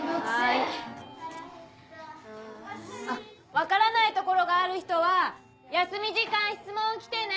分からない所がある人は休み時間質問来てね！